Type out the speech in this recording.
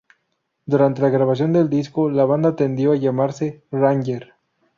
Durante la grabación del disco, la banda tendió a llamarse Ranger.